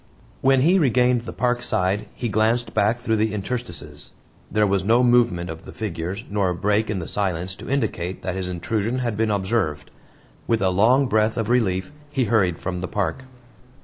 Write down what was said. When he regained the park side he glanced back through the interstices; there was no movement of the figures nor break in the silence to indicate that his intrusion had been observed. With a long breath of relief he hurried from the park.